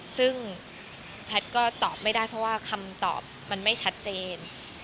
ซึ่งแพทย์ก็ตอบไม่ได้เพราะว่าคำตอบมันไม่ชัดเจน